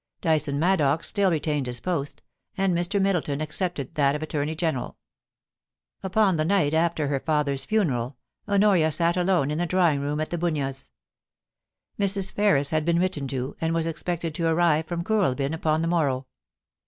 Dyson Maddox still retained his post, and Mr. Middleton accepted that of Attomey Gen eral. Upon the night after her father's funeral, Honoria sat 430 POLICY AND PASSIOX. alone in the drawing room at The Bunyas. Mrs. Ferris had been written to, and was expected to arrive from Kooralbp upon the morrow.